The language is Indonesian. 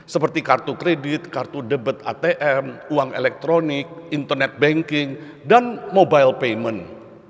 seperti kartu kredit kartu debit atm uang elektronik internet banking dan mobile payment